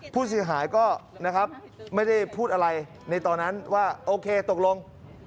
พูดสิขายก็ไม่ได้พูดอะไรในตอนนั้นว่าโอเคตกลง